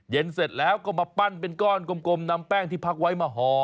เสร็จแล้วก็มาปั้นเป็นก้อนกลมนำแป้งที่พักไว้มาห่อ